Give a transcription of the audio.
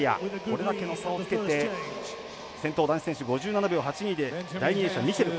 これだけの差をつけて先頭、男子選手５７秒８２で第２泳者、ミシェル。